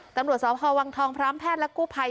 ตำรวจสพวังทองพร้อมแพทย์และกู้ภัย